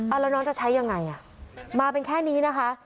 แล้วน้องจะใช้ยังไงอ่ะมาเป็นแค่นี้นะคะ